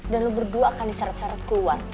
dan lo berdua akan diseret seret keluar